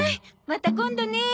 また今度ねえ。